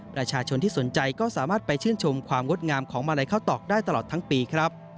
ประชาชนที่สนใจก็สามารถไปชื่นชมความงดงามของมาลัยข้าวตอกได้ตลอดทั้งปีครับ